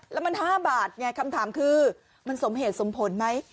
แล้วมัน๕บาทไงคำถามคือมันสมเหตุสมผลไหม